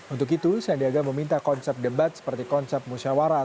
untuk itu sandiaga meminta konsep debat seperti konsep musyawara